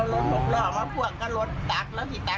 พ่อคงเอาก้อนอิดไปถ่วงไว้ตรงคันเร่งจั๊มแบบนี้